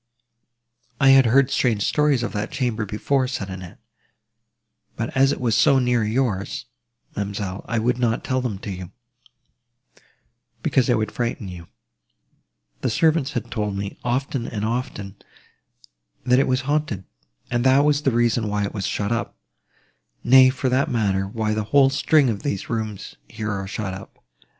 "I had heard strange stories of that chamber before," said Annette: "but as it was so near yours, ma'amselle, I would not tell them to you, because they would frighten you. The servants had told me, often and often, that it was haunted, and that was the reason why it was shut up: nay, for that matter, why the whole string of these rooms, here, are shut up.